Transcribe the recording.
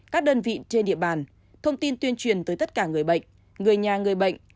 các đơn vị trên địa bàn thông tin tuyên truyền tới tất cả người bệnh người nhà người bệnh